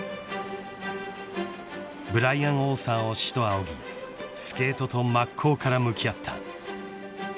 ［ブライアン・オーサーを師と仰ぎスケートと真っ向から向き合った］